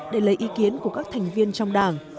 để lấy ý kiến của các thành viên trong đảng